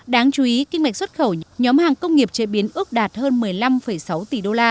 đáng chú ý kinh mạch xuất khẩu nhóm hàng công nghiệp chế biến ước đạt hơn một mươi năm sáu tỷ usd